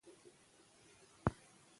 د پوهنې رئيس د زده کوونکو ستاينه وکړه.